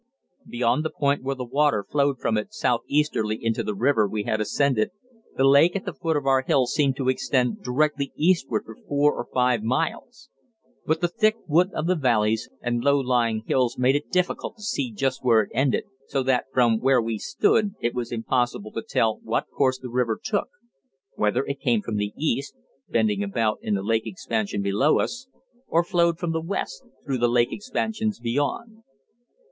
Beyond the point where the water flowed from it southeasterly into the river we had ascended, the lake at the foot of our hill seemed to extend directly eastward for four for five miles; but the thick wood of the valleys and low lying hills made it difficult to see just where it ended, so that from where we stood it was impossible to tell what course the river took whether it came from the east, bending about in the lake expansion below us, or flowed from the west through the lake expansions beyond.